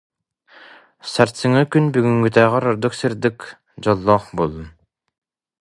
Сарсыҥҥы күн бүгүҥҥүтээҕэр ордук сырдык, дьоллоох буоллун